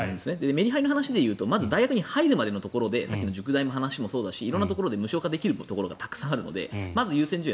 メリハリの話で言うとまず、大学に入るまでのところでさっきの塾代の話もそうだし色んなところで無償化できるところがたくさんあるので。